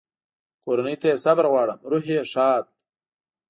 کورنۍ ته یې صبر غواړم، روح یې ښاد.